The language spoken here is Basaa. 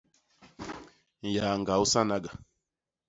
Nyaañga u sanaga.